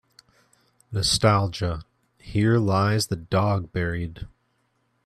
nostalgia Here lies the dog buried